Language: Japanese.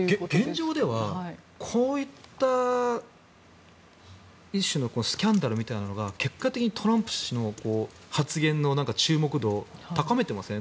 現状ではこういった一種のスキャンダルみたいなのが結果的にトランプ氏の発言の注目度を高めてません？